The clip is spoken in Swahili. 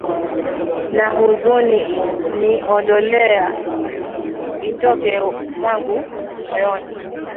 Na huzuni n’ondolea, itoke mwangu moyoni